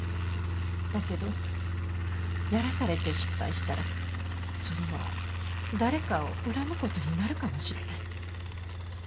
だけどやらされて失敗したらそれは誰かを恨むことになるかもしれない。